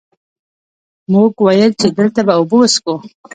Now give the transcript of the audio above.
مونږ ويل چې دلته به اوبۀ وڅښو ـ